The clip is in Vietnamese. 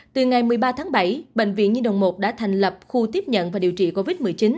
từ ngày một mươi ba tháng bảy bệnh viện nhi đồng một đã thành lập khu tiếp nhận và điều trị covid một mươi chín